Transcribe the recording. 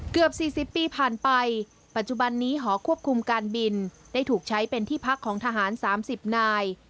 เกือบ๔๐ปีผ่านไปปัจจุบันนี้หอควบคุมการบินได้ถูกใช้เป็นที่พักของทหาร๓๐นาย